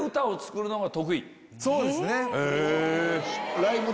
そうですね。